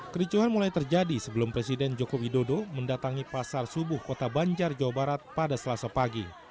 kericuhan mulai terjadi sebelum presiden joko widodo mendatangi pasar subuh kota banjar jawa barat pada selasa pagi